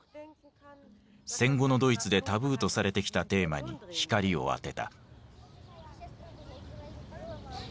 戦後のドイツでタブーとされてきたテーマに光を当てた。